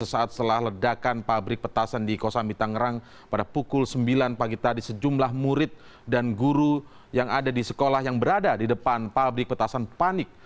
sesaat setelah ledakan pabrik petasan di kosambi tangerang pada pukul sembilan pagi tadi sejumlah murid dan guru yang ada di sekolah yang berada di depan pabrik petasan panik